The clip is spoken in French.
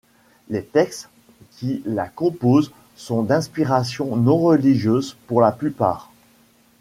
Les textes qui la composent sont d'inspiration non-religieuse pour la plupart.